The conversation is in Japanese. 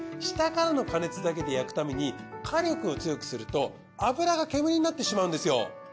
下からの加熱だけで焼くために火力を強くすると油が煙になってしまうんですよ。